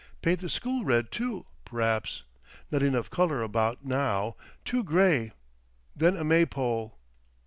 Paint the school red, too, p'raps. Not enough colour about now. Too grey. Then a maypole."